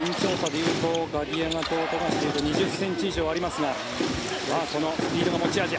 身長差でいうとガディアガと富樫でいうと２０ｃｍ以上ありますがそのスピードが持ち味。